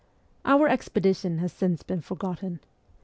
Our expedition has since been forgotten.